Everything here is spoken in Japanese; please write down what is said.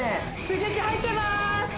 刺激入ってます！